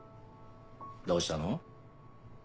どうしたの？